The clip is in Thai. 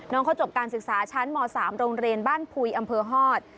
น้องเขาจบการศึกษาชั้นม๓โรงเรียนบ้านพุยอำเภอฮอต